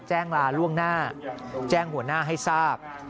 ลาล่วงหน้าแจ้งหัวหน้าให้ทราบ